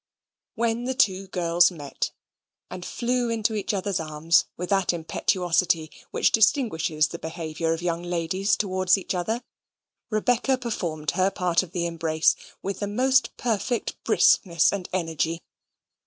When the two girls met, and flew into each other's arms with that impetuosity which distinguishes the behaviour of young ladies towards each other, Rebecca performed her part of the embrace with the most perfect briskness and energy.